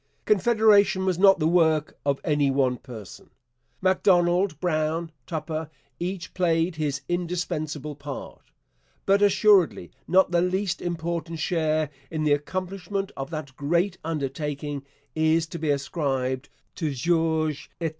Confederation was not the work of any one person. Macdonald, Brown, Tupper each played his indispensable part; but assuredly not the least important share in the accomplishment of that great undertaking is to be ascribed to George Étienne Cartier.